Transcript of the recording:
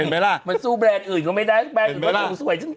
เมื่อสู้แบรนด์อื่นก็แบรนด์อื่นก็ดูสวยจนถึง